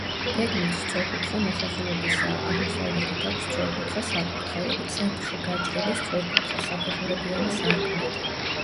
გეგმით სწორკუთხა მოხაზულობისაა, აღმოსავლეთით აქვს სწორკუთხა საკურთხეველი, ცენტრში გაჭრილი სწორკუთხა, საფეხურებიანი სარკმლით.